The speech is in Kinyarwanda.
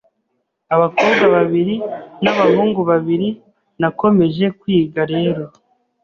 abakobwa babiri n’abahungu babiri, nakomeje kwiga rero